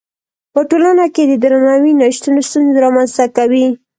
په ټولنه کې د درناوي نه شتون ستونزې رامنځته کوي.